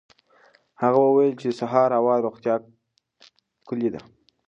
هغه وویل چې د سهار هوا د روغتیا کلي ده.